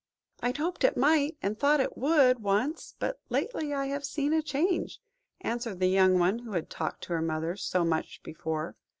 "I hoped it might, and thought it would, once, but lately I have seen a change," answered the young one who had talked to her mother so much before.